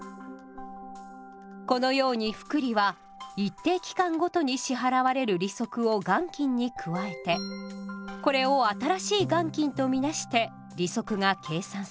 このように複利は一定期間ごとに支払われる利息を元金に加えてこれを新しい元金とみなして利息が計算されます。